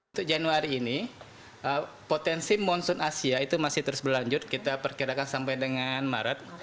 untuk januari ini potensi monsoon asia itu masih terus berlanjut kita perkirakan sampai dengan maret